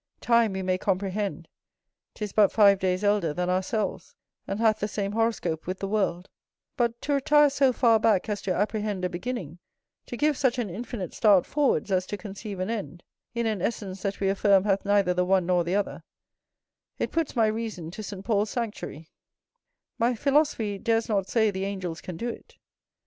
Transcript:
Time we may comprehend; 'tis but five days elder than ourselves, and hath the same horoscope with the world; but, to retire so far back as to apprehend a beginning, to give such an infinite start forwards as to conceive an end, in an essence that we affirm hath neither the one nor the other, it puts my reason to St Paul's sanctuary: my philosophy dares not say the angels can do it.